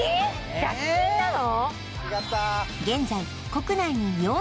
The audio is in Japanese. １００均なの？